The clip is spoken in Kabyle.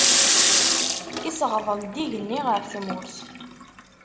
Iseɣḍel-d igenni ɣef tmurt.